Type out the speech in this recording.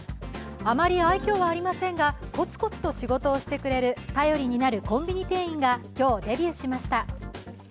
あまり愛きょうはありませんが、コツコツと仕事をしてくれる便りになるコンビニ店員が今日デビューしました。